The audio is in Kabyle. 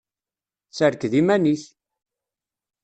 Serked iman-ik!